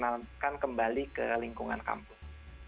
jadi saya ingin mengenalkan kembali ke lingkungan kampus